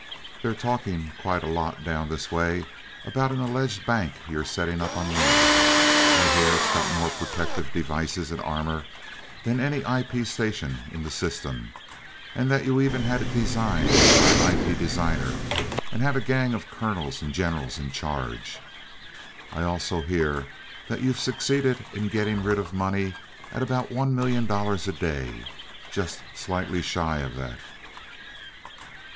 They're talking quite a lot down this way about an alleged bank you're setting up on Luna. I hear it's got more protective devices, and armor than any IP station in the System, that you even had it designed by an IP designer, and have a gang of Colonels and Generals in charge. I also hear that you've succeeded in getting rid of money at about one million dollars a day just slightly shy of that."